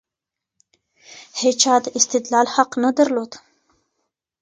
هيچا د استدلال حق نه درلود.